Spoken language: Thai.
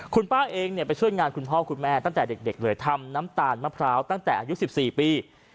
คุณป้าเองไปช่วยงานคุณพ่อคุณแม่ตั้งแต่เด็กเลยทำน้ำตาลมะพร้าวตั้งแต่อายุ๑๔ปี